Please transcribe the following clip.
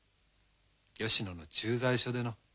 吉野の駐在所での。